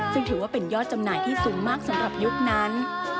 ซึ่งถือว่าเป็นยอดจำหน่ายที่สูงมากสำหรับยุคนั้น